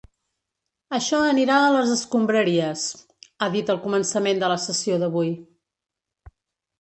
“Això anirà a les escombraries”, ha dit al començament de la sessió d’avui.